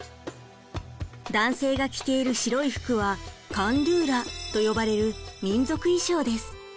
男性が着ている白い服はカンドゥーラと呼ばれる民族衣装です。